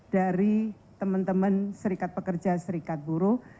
dari teman teman serikat pekerja serikat buruh